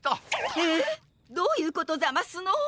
えっどういうことざますの？